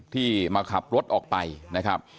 ที่มาขับรถออกไปนะครับ